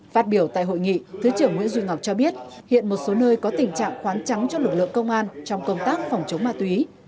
phát biểu tại hội nghị thứ trưởng nguyễn duy ngọc cho biết hiện một số nơi có tình trạng khoán trắng cho lực lượng công an trong công tác phòng chống ma túy